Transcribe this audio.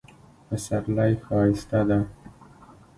پسرلی ښایسته ده